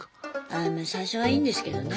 あま最初はいいんですけどね